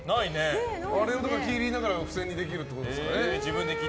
あれを切りながら付箋にできるってことでしょ。